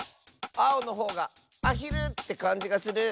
あおのほうがアヒルってかんじがする！